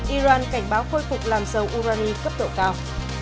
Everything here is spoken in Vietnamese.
iran cảnh báo khôi phục làm dầu urani cấp độ cao